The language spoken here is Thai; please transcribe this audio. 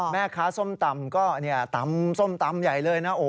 แม่ค้าส้มตำก็ตำส้มตำใหญ่เลยนะ